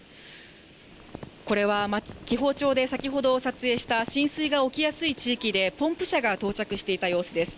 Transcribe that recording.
これは紀宝町で先ほど撮影した浸水が起きやすい地域でポンプ車が到着していた様子です。